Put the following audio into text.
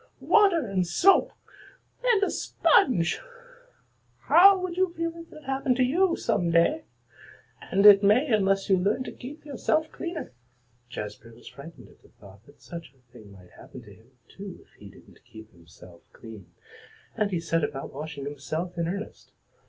Water and soap! And a sponge! How would you feel if that happened to you some day? And it may unless you learn to keep yourself cleaner." Jazbury was frightened at the thought that such a thing might happen to him, too, if he didn't keep himself clean, and he set about washing himself in earnest.